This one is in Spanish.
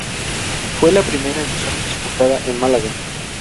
Fue la primera edición disputada en Málaga.